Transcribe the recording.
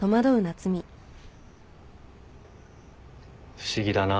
不思議だなって。